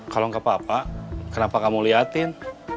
kalau nggak apa apa kenapa kamu liatin